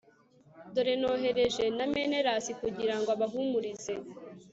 dore nohereje na menelasi kugira ngo abahumurize